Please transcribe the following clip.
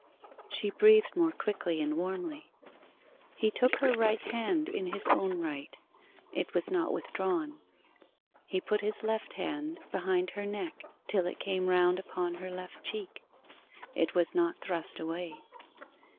She breathed more quickly and warmly: he took her right hand in his own right: it was not withdrawn. He put his left hand behind her neck till it came round upon her left cheek: it was not thrust away.